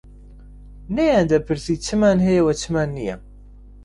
نەیان دەپرسی چمان هەیە و چمان نییە